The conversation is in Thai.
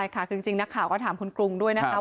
ใช่ค่ะคือจริงนักข่าวก็ถามคุณกรุงด้วยนะคะ